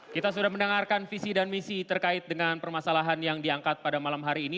kita sudah mendengarkan visi dan misi terkait dengan permasalahan perempuan